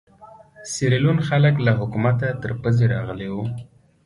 سیریلیون خلک له حکومته تر پزې راغلي وو.